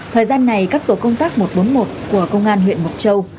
thời gian này các tổ công tác một trăm bốn mươi một của công an huyện mộc châu